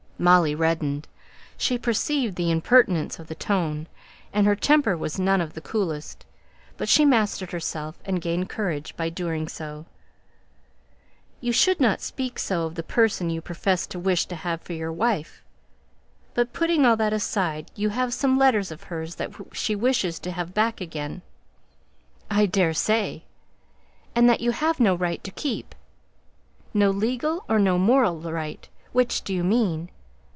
Molly reddened. She perceived the impertinence of the tone; and her temper was none of the coolest. But she mastered herself and gained courage by so doing. "You should not speak so of the person you profess to wish to have for your wife. But putting all that aside, you have some letters of hers that she wishes to have back again." "I daresay." "And that you have no right to keep." "No legal, or no moral right? which do you mean?"